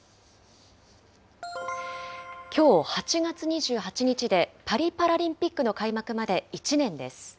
きょう８月２８日で、パリパラリンピックの開幕まで１年です。